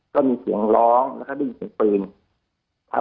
ก็มีเสียงร้องแล้วก็ได้ยินเสียงปืนครับ